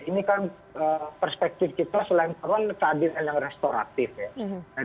ini kan perspektif kita selain persoalan keadilan yang restoratif ya